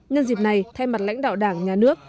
nhân dịp này thay mặt lãnh đạo đảng nhà nước